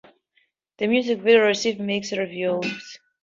The music video received mixed reviews.